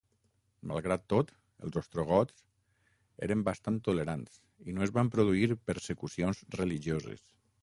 Malgrat tot, els ostrogots eren bastant tolerants i no es van produir persecucions religioses.